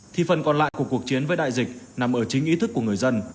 thì phần còn lại của cuộc chiến với đại dịch nằm ở chính ý thức của người dân